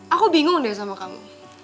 aku bingung deh sama kamu